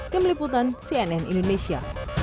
kemeliputan cnn indonesia